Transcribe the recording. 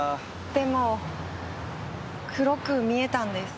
でも黒く見えたんです。